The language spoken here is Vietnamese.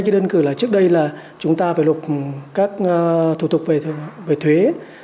đơn cử trước đây là chúng ta phải lục các thủ tục về thuế